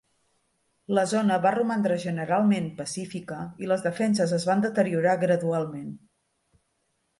La zona va romandre generalment pacífica i les defenses es van deteriorar gradualment.